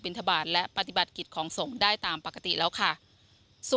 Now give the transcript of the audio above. ทบาทและปฏิบัติกิจของสงฆ์ได้ตามปกติแล้วค่ะส่วน